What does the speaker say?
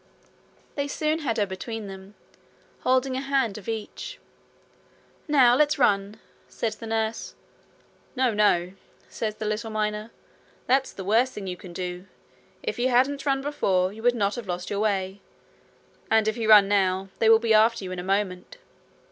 They soon had her between them, holding a hand of each. 'Now let's run,' said the nurse. 'No, no!' said the little miner. 'That's the worst thing you can do. If you hadn't run before, you would not have lost your way. And if you run now, they will be after you in a moment.'